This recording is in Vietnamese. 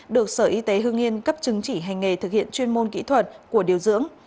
được sở y tế hương yên cấp chứng chỉ hành nghề thực hiện chuyên môn kỹ thuật của điều dưỡng